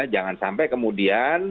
jangan sampai kemudian